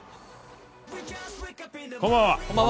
こんばんは。